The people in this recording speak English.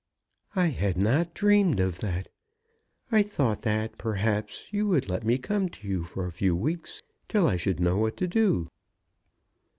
"I had not dreamed of that. I thought that perhaps you would let me come to you for a few weeks, till I should know what to do."